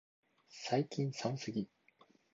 最近寒すぎ、